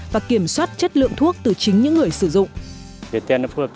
và kiểm soát chất lượng thuốc từ chính những người sử dụng